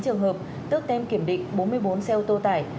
bốn trăm chín mươi chín trường hợp tước tem kiểm định bốn mươi bốn xe ô tô tải